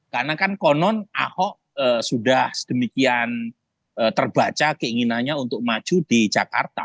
karena kan konon ahok sudah sedemikian terbaca keinginannya untuk maju di jakarta